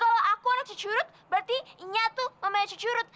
kalo aku anak cucurut berarti nya tuh emak cucurut